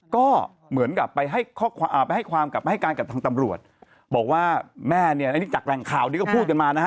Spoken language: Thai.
ก็เหมือนกับไปให้ความกับให้การกับทางตำรวจบอกว่าแม่เนี่ยอันนี้จากแหล่งข่าวที่เขาพูดกันมานะฮะ